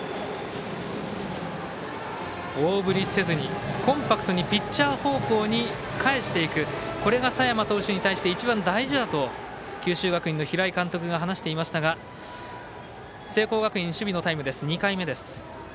大振りせずにコンパクトにピッチャー方向に返していくそれが佐山投手に対して一番大事だと九州学院の平井監督が話していましたが聖光学院、守備のタイム２回目です。